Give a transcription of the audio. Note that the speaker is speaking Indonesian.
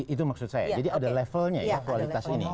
itu maksud saya jadi ada levelnya ya kualitas ini